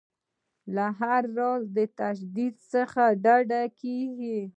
له هر راز تشدد څخه ډډه کیږي.